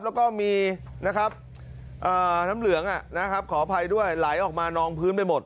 แล้วก็มีนะครับน้ำเหลืองขออภัยด้วยไหลออกมานองพื้นไปหมด